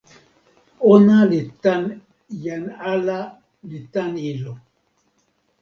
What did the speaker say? ona li tan jan ala li tan ilo.